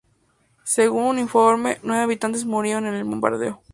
Según un informe, nueve habitantes murieron en el bombardeo.